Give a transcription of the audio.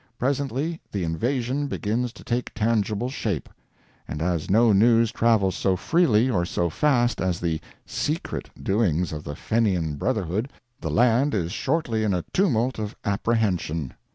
Presently the "invasion" begins to take tangible shape; and as no news travels so freely or so fast as the "secret" doings of the Fenian Brotherhood, the land is shortly in a tumult of apprehension.